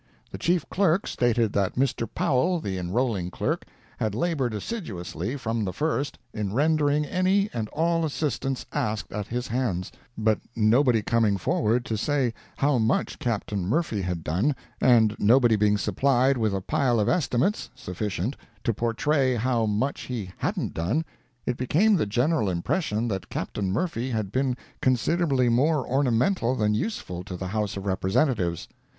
The Chief Clerk stated that Mr. Powell, the Enrolling Clerk, had labored assiduously, from the first, in rendering any and all assistance asked at his hands, but nobody coming forward to say how much Captain Murphy had done, and nobody being supplied with a pile of estimates [sufficient] to portray how much he hadn't done, it became the general impression that Captain Murphy had been considerably more ornamental than useful to the House of Representatives.